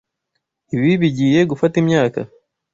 Ibi bigiye gufata imyaka.